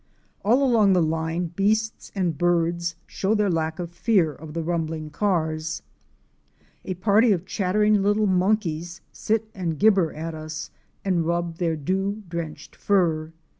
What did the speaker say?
All along the line, beasts and birds show their lack of fear of the rumbling cars. A party of chattering little monkeys THE LAKE OF PITCH. v4 sit and gibber at us and rub their dew drenched fur.